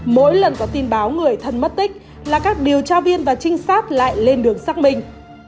mỗi lần có tin báo người thân mất tích là các điều tra viên và trinh sát lại lên đường xác minh